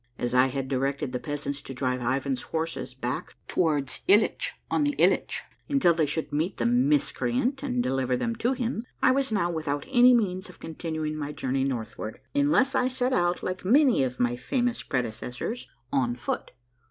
As I had directed the peasants to drive Ivan's horses back towards Hitch on the Hitch, until they should meet that miscreant and deliver them to him, I was now without any means of continuing my journey northward, unless I set out, like many of my famous predecessors, on foot.